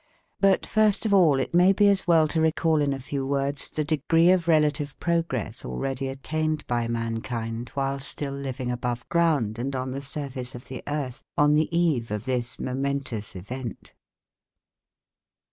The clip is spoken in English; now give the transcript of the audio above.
But first of all it may be as well to recall in a few words the degree of relative progress already attained by mankind, while still living above ground and on the surface of the earth, on the eve of this momentous event.